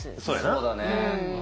そうだね。